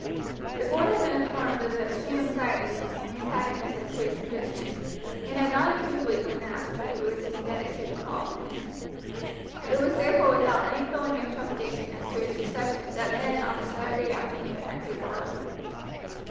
The boy had been informed of the extreme anxiety of his young antagonist as to his condition, and had nodded feebly when asked if he would see Ned should he call upon him. It was therefore without any feeling of trepidation as to his reception that Ned on the Saturday afternoon entered Varley.